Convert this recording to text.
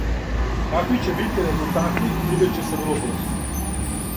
Какви ће бити резултати видеће се врло брзо.